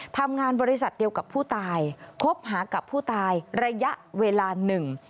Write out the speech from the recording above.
ทำงานบริษัทเดียวกับผู้ตายคบหากับผู้ตายระยะเวลาหนึ่ง